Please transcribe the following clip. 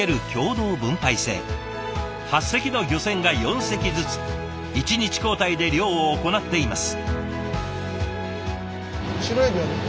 ８隻の漁船が４隻ずつ１日交代で漁を行っています。